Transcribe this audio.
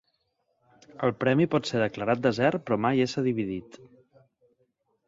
El premi pot ser declarat desert però mai ésser dividit.